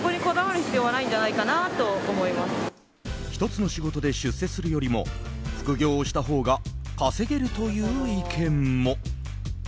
１つの仕事で出世するよりも副業をしたほうが稼げるという意見も。